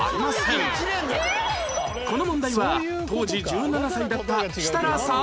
この問題は当時１７歳だった設楽さん